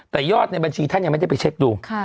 แต่ยอดในบัญชีท่านยังไม่ได้ไปเช็คดู